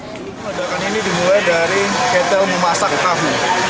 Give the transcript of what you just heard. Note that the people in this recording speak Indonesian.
ledakan ini dimulai dari ketel memasak kakak